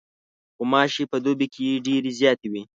غوماشې په دوبي کې ډېرې زیاتې وي.